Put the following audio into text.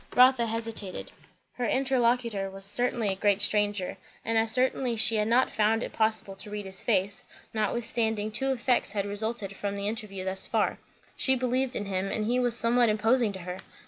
Rotha hesitated. Her interlocutor was certainly a great stranger; and as certainly she had not found it possible to read his face; notwithstanding, two effects had resulted from the interview thus far; she believed in him, and he was somewhat imposing to her.